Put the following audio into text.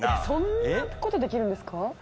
そんなことできるんですか？